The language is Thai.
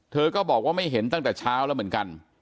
เธอก็บอกว่าไม่เห็นตั้งแต่เช้าแล้วเหมือนกัน